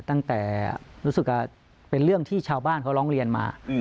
ตั้งแต่รู้สึกว่าเป็นเรื่องที่ชาวบ้านเขาร้องเรียนมา